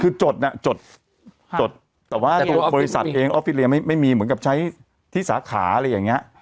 คือจดน่ะจดจดแต่ว่าตัวบริษัทเองออฟฟิเลียไม่มีเหมือนกับใช้ที่สาขาอะไรอย่างเงี้ย